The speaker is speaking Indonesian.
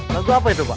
lagu apa itu pak